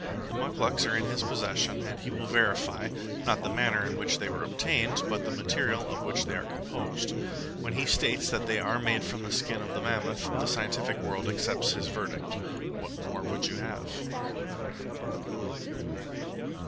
The muclucs are in his possession, and he will verify, not the manner in which they were obtained, but the material of which they are composed. When he states that they are made from the skin of the mammoth, the scientific world accepts his verdict. What more would you have?